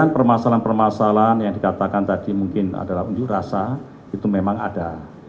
dan permasalahan permasalahan yang dikatakan tadi mungkin adalah unjuk rasa itu memang ada